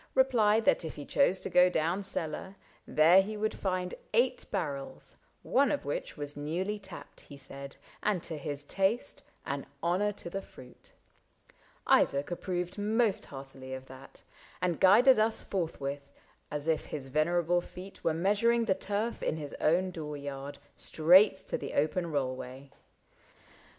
Replied that if he chose to go down cellar. There he would find eight barrels — one of which Was newly tapped, he said, and to his taste An honor to the fruit. Isaac approved Most heartily of that, and guided us Forthwith, as if his venerable feet Were measuring the turf in his own door yard. Straight to the open rollway.